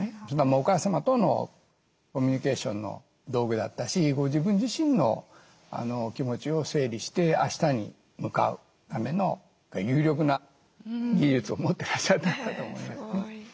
おかあ様とのコミュニケーションの道具だったしご自分自身の気持ちを整理してあしたに向かうための有力な技術を持ってらっしゃったかと思いますね。